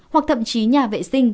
hoặc thậm chí nhà vệ sinh